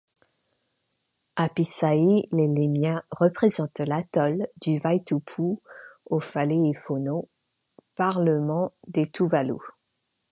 Apisai Ielemia représente l'atoll de Vaitupu au Fale i Fono, parlement des Tuvalu.